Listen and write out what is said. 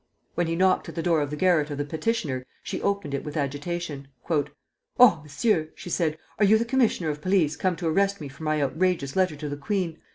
When he knocked at the door of the garret of the petitioner, she opened it with agitation. "Oh, Monsieur!" she said, "are you the Commissioner of Police come to arrest me for my outrageous letter to the queen?